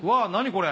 これ。